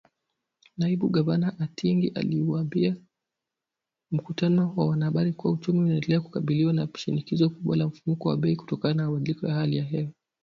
Naibu Gavana Atingi aliuambia mkutano wa wanahabari kuwa, uchumi unaendelea kukabiliwa na shinikizo kubwa la mfumuko wa bei kutokana na mabadiliko ya hali ya hewa